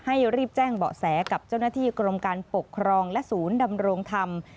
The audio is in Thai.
รีบแจ้งเบาะแสกับเจ้าหน้าที่กรมการปกครองและศูนย์ดำรงธรรม